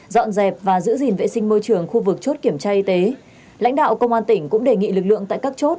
tại các điểm kiểm tra y tế lãnh đạo công an tỉnh cũng đề nghị lực lượng tại các chốt